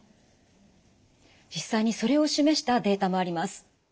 実際にそれを示したデータもあります。